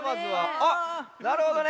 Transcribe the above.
あっなるほどね。